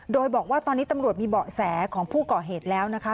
โดยบอกว่าตอนนี้ตำรวจมีเบาะแสของผู้ก่อเหตุแล้วนะคะ